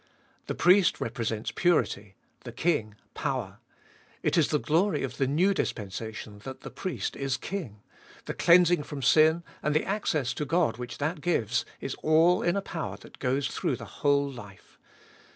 The priest represents purity, the king power ; it is the glory of the new dispensation that the Priest is King — the cleansing from sin, and the access to God which that gives, is all in a power that goes through the whole life.